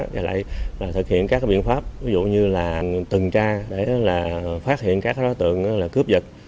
và lại thực hiện các biện pháp ví dụ như là từng tra để phát hiện các đối tượng cướp giật